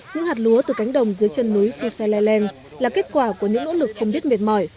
những hạt lúa từ cánh đồng dưới chân núi phu sai lai leng là kết quả của những nỗ lực không biết mệt mỏi